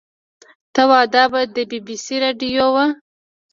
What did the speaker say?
ته وا دا به د بي بي سي راډيو وه.